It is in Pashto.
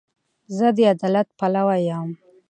زه د عدالت پلوی یم.